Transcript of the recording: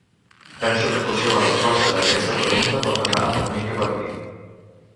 Penso que potser la resposta a aquesta pregunta pot anar una mica per aquí.